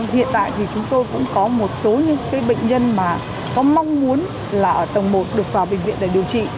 hiện tại thì chúng tôi cũng có một số những bệnh nhân mà có mong muốn là ở tầng một được vào bệnh viện để điều trị